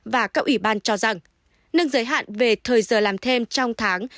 và các ủy ban cho rằng nâng giới hạn về thời giờ làm thêm trong tháng